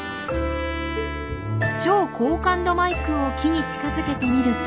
超高感度マイクを木に近づけてみると。